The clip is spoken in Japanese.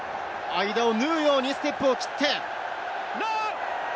間を縫うようにステップを切って。